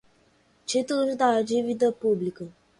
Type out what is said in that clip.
títulos da dívida pública